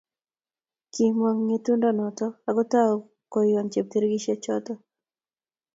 Kimomg ngetundo noto akotou koyon cheptikirchek choto